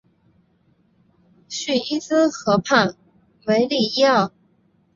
叙伊兹河畔维利耶尔。